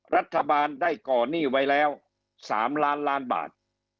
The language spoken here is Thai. รัฐบาลได้ก่อนหนี้ไว้แล้ว๓ล้านล้านบาท